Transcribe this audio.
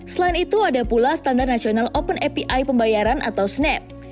selain itu ada pula standar nasional open api pembayaran atau snap